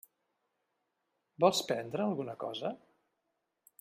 Vols prendre alguna cosa?